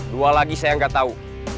dua lagi saya nggak tahu